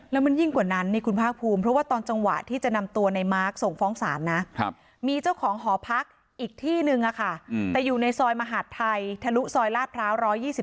แล้วมันยิ่งกว่านั้นนี่คุณภาคภูมิเพราะว่าตอนจังหวะที่จะนำตัวในมาร์คส่งฟ้องศาลนะมีเจ้าของหอพักอีกที่นึงแต่อยู่ในซอยมหาดไทยทะลุซอยลาดพร้าว๑๒๒